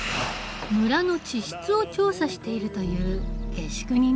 村の地質を調査しているという下宿人のネイト。